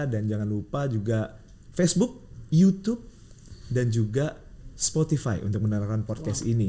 jangan lupa juga facebook youtube dan juga spotify untuk menawarkan podcast ini